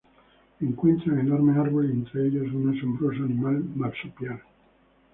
Encuentran enormes árboles y, entre ellos, un asombroso animal marsupial.